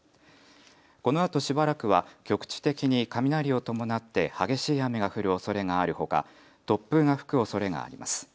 このあとしばらくは局地的に雷を伴って激しい雨が降るおそれがあるほか突風が吹くおそれがあります。